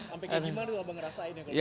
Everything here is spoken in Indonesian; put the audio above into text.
ampe gimana tuh abang ngerasain ya